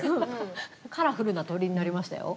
カラフルな鳥になりましたよ。